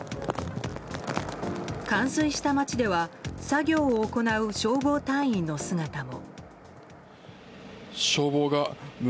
冠水した町では作業を行う消防隊員の姿も。